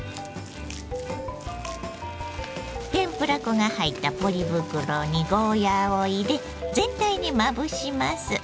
天ぷら粉が入ったポリ袋にゴーヤーを入れ全体にまぶします。